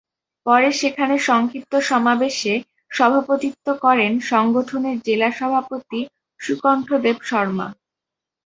পরে সেখানে সংক্ষিপ্ত সমাবেশে সভাপতিত্ব করেন সংগঠনের জেলা সভাপতি সুকণ্ঠ দেব শর্ম্মা।